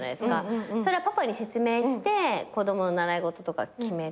それはパパに説明して子供の習い事とか決める？